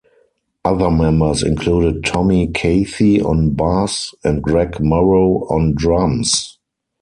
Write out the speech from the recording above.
Other members included Tommy Cathey on bass and Greg Morrow on drums.